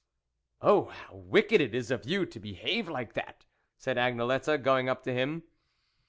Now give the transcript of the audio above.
" Oh, how wicked it is of you to be have like that !" said Agnelette, going up to him.